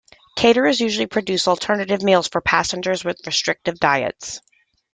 Caterers usually produce alternative meals for passengers with restrictive diets.